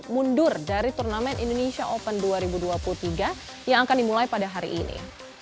mundur dari turnamen indonesia open dua ribu dua puluh tiga yang akan dimulai pada hari ini